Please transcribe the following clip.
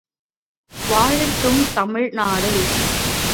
வாழட்டும் தமிழ் நாடு!